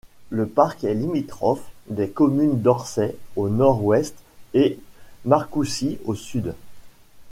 Le parc est limitrophe des communes d'Orsay au nord-ouest et Marcoussis au sud.